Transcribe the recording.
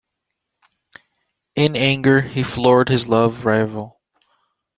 In anger, he floored his love rival.